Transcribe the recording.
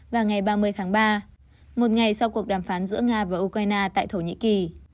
vào ngày ba mươi tháng ba một ngày sau cuộc đàm phán giữa nga và ukraine tại thổ nhĩ kỳ